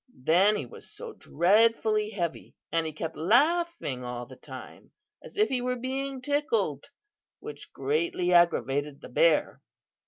Then he was so dreadfully heavy; and he kept laughing all the time as if he were being tickled, which greatly aggravated the bear.